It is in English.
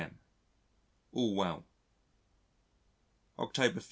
m. All well. October 5.